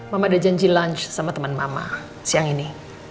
mama ada janji lunch sama teman mama siang ini